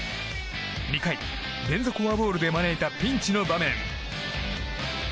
２回、連続フォアボールで招いたピンチの場面。